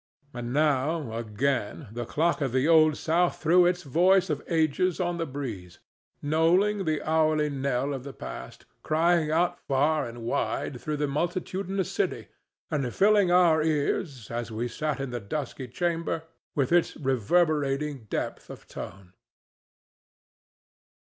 And now, again, the clock of the Old South threw its voice of ages on the breeze, knolling the hourly knell of the past, crying out far and wide through the multitudinous city, and filling our ears, as we sat in the dusky chamber, with its reverberating depth of tone.